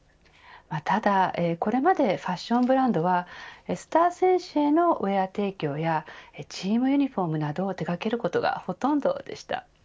ただこれまでファッションブランドはスター選手へのウエア提供やチームユニフォームなどを手掛けることがほとんどでした。